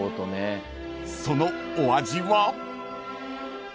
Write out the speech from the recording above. ［そのお味は？］